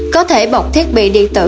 có thể bọc thiết bị điện thoại